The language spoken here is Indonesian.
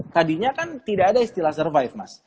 tadinya kan tidak ada istilah survive mas